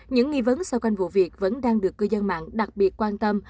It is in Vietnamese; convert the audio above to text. những nghi vấn sâu quanh vụ việc vẫn đang được cư dân mạng đặc biệt quan tâm